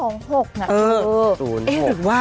๒๖น่ะคือ๐๖๖